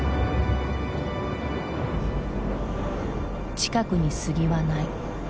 近くに杉はない。